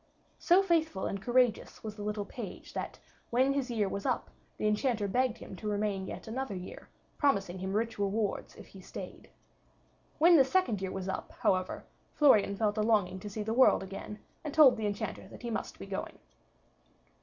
So faithful and courageous was the little page that, when his year was up, the Enchanter begged him to remain yet another year, promising him rich rewards if he stayed. When this second year was up, however, Florian felt a longing to see the world again, and told the Enchanter that he must be going.